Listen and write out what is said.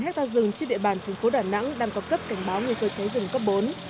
hai hectare rừng trên địa bàn thành phố đà nẵng đang có cấp cảnh báo nguy cơ cháy rừng cấp bốn